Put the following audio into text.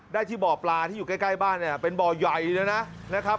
ได้ที่บ่อปลาที่อยู่ใกล้บ้านเนี่ยเป็นบ่อใหญ่เลยนะครับ